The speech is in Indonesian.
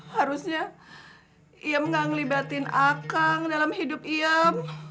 harusnya iyam gak ngelibatin akang dalam hidup iyam